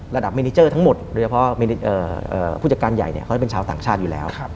มินิเจอร์ทั้งหมดโดยเฉพาะผู้จัดการใหญ่เขาจะเป็นชาวต่างชาติอยู่แล้ว